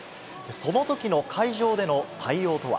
そのときの会場での対応とは。